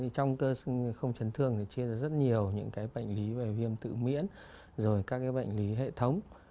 trong cơ sương không chấn thương thì chia ra rất nhiều những bệnh lý về viêm tự miễn rồi các bệnh lý hệ thống